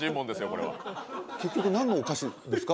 これは結局何のお菓子ですか？